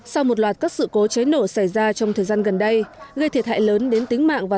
sau một loạt các sự cố cháy nổ xảy ra trong thời gian gần đây gây thiệt hại lớn đến tính mạng và